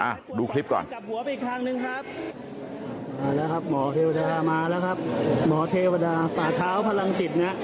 หรอคะ